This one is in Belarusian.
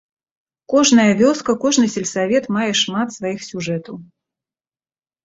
Кожная вёска, кожны сельсавет мае шмат сваіх сюжэтаў.